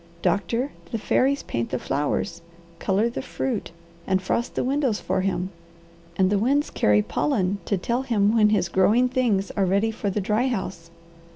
Doctor, the fairies paint the flowers, colour the fruit, and frost the windows for him; and the winds carry pollen to tell him when his growing things are ready for the dry house.